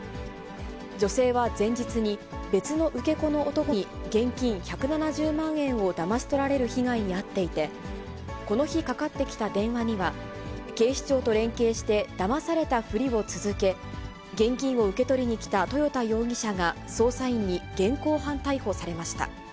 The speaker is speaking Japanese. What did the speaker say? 女性は前日に別の受け子の男に現金１７０万円をだまし取られる被害に遭っていて、この日かかってきた電話には、警視庁と連携してだまされたふりを続け、現金を受け取りに来た豊田容疑者が、捜査員に現行犯逮捕されました。